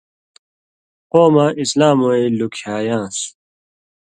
قومہ اِسلام وَیں لُکھیایان٘س۔